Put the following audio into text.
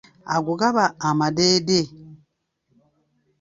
Ago gaba amadeede.